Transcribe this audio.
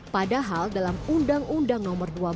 padahal dalam undang undang nomor